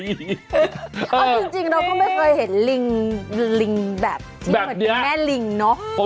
เอ้อจริงเราก็ไม่เคยเห็นลิงแบบแม่ลิงเนาะ